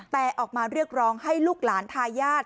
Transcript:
แต่ออกมาเรียกร้องให้ลูกหลานทายาท